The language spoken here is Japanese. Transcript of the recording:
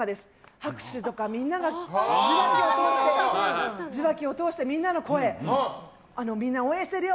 拍手とか、みんなが受話器を通してみんなの声みんなから、応援してるよ